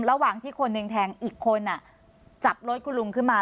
ระหว่างที่คนหนึ่งแทงอีกคนจับรถคุณลุงขึ้นมา